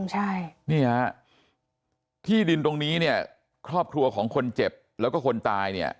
ใช่นี่ฮะที่ดินตรงนี้เนี่ยครอบครัวของคนเจ็บแล้วก็คนตายเนี่ย